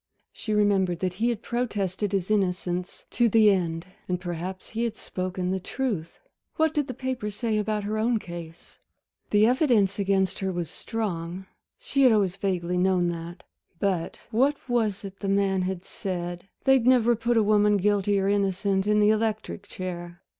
She remembered that he had protested his innocence to the end. And perhaps he had spoken the truth. What did the papers say about her own case? The evidence against her was strong she had always vaguely known that. But what was it the man had said? they'd never put a woman, guilty or innocent, in the electric chair.